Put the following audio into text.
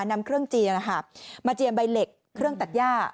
นำเครื่องจีนมาเจียมใบเหล็กเครื่องตัดย่า